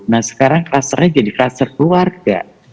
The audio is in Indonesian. nah sekarang klusternya jadi kluster keluarga